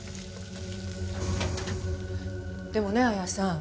でもね彩矢さん